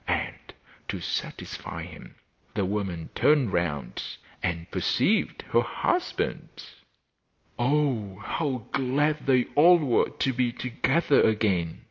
And, to satisfy him, the woman turned round and perceived her husband. Oh, how glad they all were to be together again!